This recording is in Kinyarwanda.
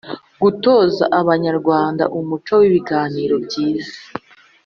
Gutoza Abanyarwanda umuco w ibiganiro nibyiza